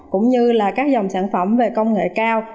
cũng như là các dòng sản phẩm về công nghệ cao